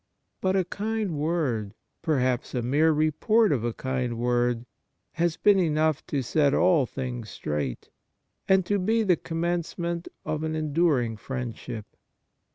But a kind word, perhaps a mere report of a kind word, has been enough to set all things straight, and to be the com mencement of an enduring friendship.